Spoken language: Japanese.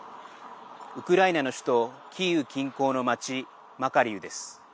ウクライナの首都キーウ近郊の町、マカリウです。